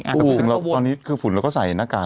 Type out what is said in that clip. อาจจะถึงแบบตอนนี้คือพุนเราก็ใส่หน้ากาก